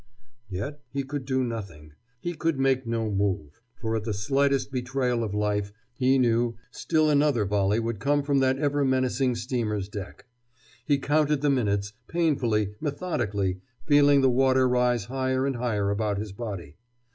Yet he could do nothing. He could make no move. For at the slightest betrayal of life, he knew, still another volley would come from that ever menacing steamer's deck. He counted the minutes, painfully, methodically, feeling the water rise higher and higher about his body.